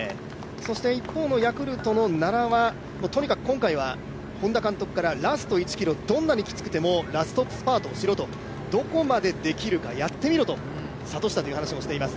一方のヤクルトの奈良はとにかく今回は本田監督からラスト１ｋｍどんなにきつくてもラストスパートをしろとどこまでできるかやってみろと諭したという話もしています。